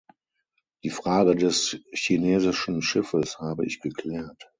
Die Frage des chinesischen Schiffes habe ich geklärt.